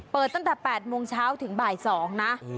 ตั้งแต่๘โมงเช้าถึงบ่าย๒นะ